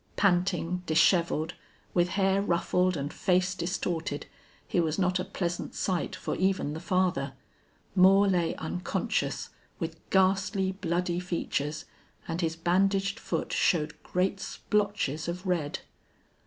Panting, disheveled, with hair ruffled and face distorted, he was not a pleasant sight for even the father. Moore lay unconscious, with ghastly, bloody features, and his bandaged foot showed great splotches of red.